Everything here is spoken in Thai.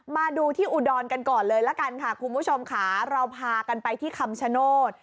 มาดูที่อุดรกันก่อนเลยละกันค่ะคุณผู้ชมค่ะเราพากันไปที่คำชโนธ